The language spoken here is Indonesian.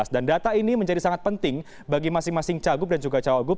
dan data ini menjadi sangat penting bagi masing masing cagup dan juga cagup